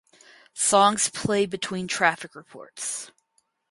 Songs play between traffic reports.